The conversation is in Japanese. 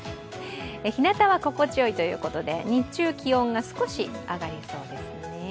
日向は心地よいということで日中、気温が少し上がりそうです。